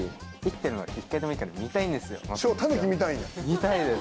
見たいです。